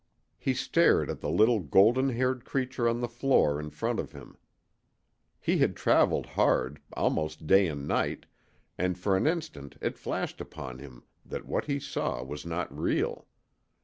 He stared at the little golden haired creature on the floor in front of him. He had traveled hard, almost day and night, and for an instant it flashed upon him that what he saw was not real.